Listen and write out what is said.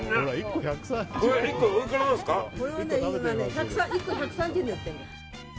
１個１３０円でやってる。